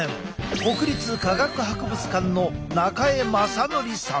国立科学博物館の中江雅典さん！